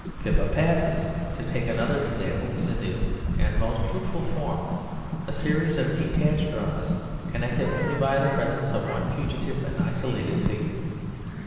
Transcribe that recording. Pippa Passes, to take another example, is a new and most fruitful form, a series of detached dramas connected only by the presence of one fugitive and isolated figure.